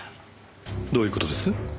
どういう事です？